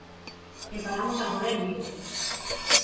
E paramos agora en Vigo.